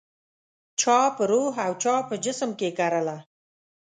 چا په روح او چا په جسم کې کرله